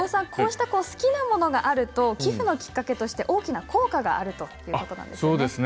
好きなものがあると寄付のきっかけとして大きな効果があるということなんですよね。